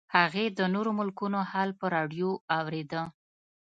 هغې د نورو ملکونو حال په راډیو اورېده